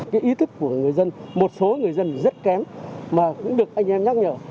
cái ý thức của người dân một số người dân rất kém mà cũng được anh em nhắc nhở